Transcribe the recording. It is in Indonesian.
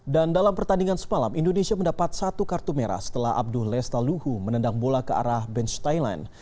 dan dalam pertandingan semalam indonesia mendapat satu kartu merah setelah abdul lestal luhu menendang bola ke arah bench thailand